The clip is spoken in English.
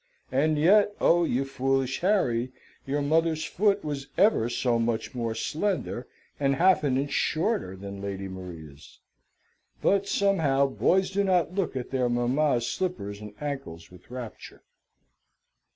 And yet, oh, you foolish Harry! your mother's foot was ever so much more slender, and half an inch shorter, than Lady Maria's. But, somehow, boys do not look at their mammas' slippers and ankles with rapture.